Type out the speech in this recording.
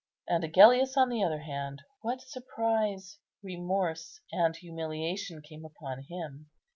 And Agellius on the other hand, what surprise, remorse, and humiliation came upon him!